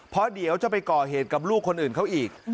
เพราะเดี๋ยวจะไปก่อเหตุกับลูกคนอื่นเขาอีก